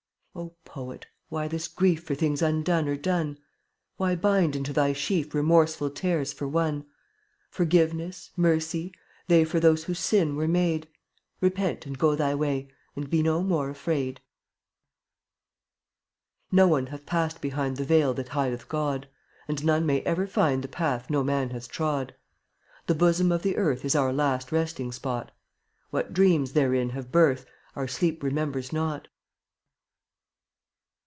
O Poet! why this grief For things undone or done? Why bind into thy sheaf Remorseful tares for one? Forgiveness, mercy — they For those who sin were made; Repent and go thy way, And be no more afraid. No one hath passed behind The veil that hideth God, And none may ever find The path no man has trod; The bosom of the earth Is our last resting spot; What dreams therein have birth Our sleep remembers not.